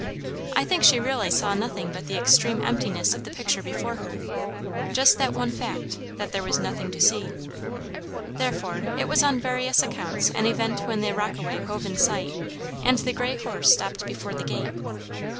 I think she really saw nothing but the extreme emptiness of the picture before her; just that one fact, that there was nothing to see. Therefore it was on various accounts an event when the rockaway hove in sight, and the grey horse stopped before the gate.